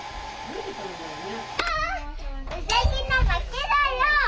あウサギの負けだよ！